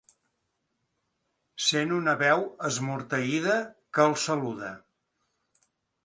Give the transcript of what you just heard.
Sent una veu esmorteïda que el saluda.